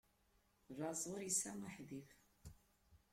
Laẓ ur isɛi aḥbib.